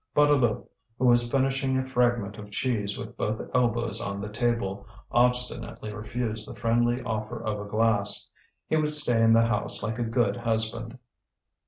Bouteloup, who was finishing a fragment of cheese with both elbows on the table, obstinately refused the friendly offer of a glass. He would stay in the house like a good husband.